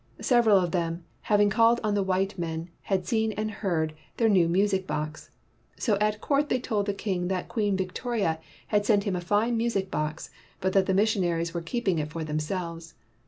Several of them, having called on the white men, had seen and heard their new mnsic box. So at court they told the king that Queen Vic toria had sent him a fine music box, but that the missionaries were keeping it for them selves.